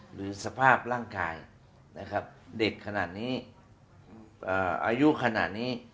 หรือสภาพร่างกายนะครับเด็กขนาดนี้อายุขนาดนี้